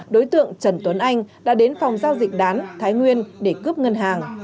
đối tượng trần tuấn anh đã đến phòng giao dịch đán thái nguyên để cướp ngân hàng